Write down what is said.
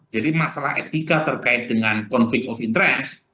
jadi masalah etika terkait dengan conflict of interest